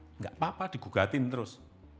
tidak apa apa digugatin terus